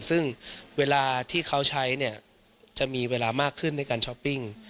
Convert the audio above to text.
ซึ่งเวลาที่เขาใช้เนี่ยจะมีเวลามากขึ้นในการช้อปปิ้ง